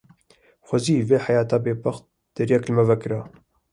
Xwezî vê heyata bêbext deriyek li me vekira.